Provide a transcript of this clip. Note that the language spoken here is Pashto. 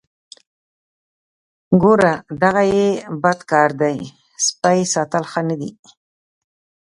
ګوره دغه یې بد کار دی سپی ساتل ښه نه دي.